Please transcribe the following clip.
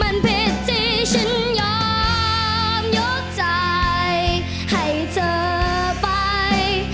มันผิดที่ฉันยอมยกใจให้เธอไป